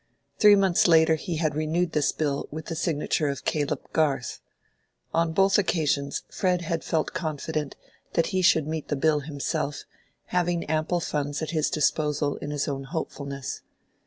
Three months later he had renewed this bill with the signature of Caleb Garth. On both occasions Fred had felt confident that he should meet the bill himself, having ample funds at disposal in his own hopefulness.